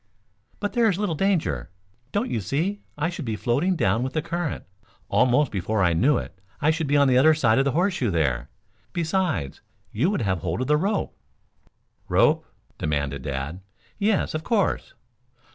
"But there is little danger. Don't you see I should be floating down with the current. Almost before I knew it I should be on the other side of the horseshoe there. Besides you would have hold of the rope." "Rope?" demanded Dad. "Yes, of course."